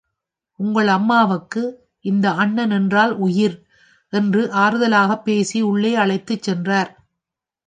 உங்க அம்மாவுக்கு இந்த அண்ணன் என்றால் உயிர், என்று ஆறுதலாகப் பேசி உள்ளே அழைத்துச் சென்றார்.